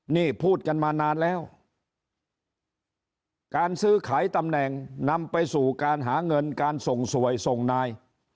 นี่พูดกันมานานแล้วการซื้อขายตำแหน่งนำไปสู่การหาเงินการส่งสวยส่งนาย